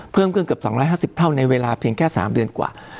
เพิ่มขึ้นเกือบ๒๕๐เท่าในเวลาเพียงแค่๓เดือนกว่า